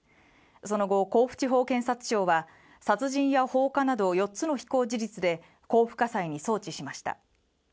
その後、甲府地方検察庁は殺人や放火など４つの非行事実で甲府家裁に送致しました。